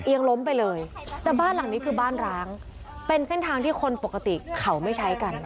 ล้มไปเลยแต่บ้านหลังนี้คือบ้านร้างเป็นเส้นทางที่คนปกติเขาไม่ใช้กัน